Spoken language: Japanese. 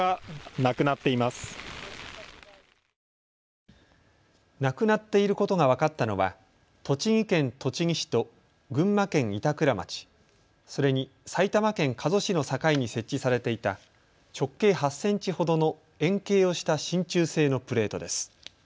なくなっていることが分かったのは栃木県栃木市と群馬県板倉町、それに埼玉県加須市の境に設置されていた直径８センチほどの円形をしたしんちゅう製のプレートです。